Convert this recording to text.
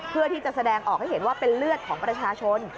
เพื่อที่จะแสดงออกให้เห็นว่าเป็นเลือดของประชาชน